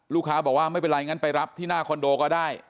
ลูกค้าบอกว่าไม่เป็นไรงั้นไปรับที่หน้าคอนโดก็ได้